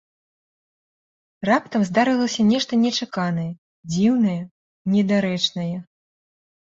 Раптам здарылася нешта нечаканае, дзіўнае, недарэчнае!